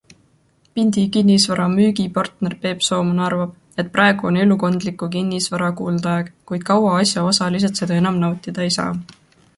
Pindi Kinnisvara müügipartner Peep Sooman arvab, et praegu on elukondliku kinnisvara kuldaeg, kuid kaua asjaosalised seda enam nautida ei saa.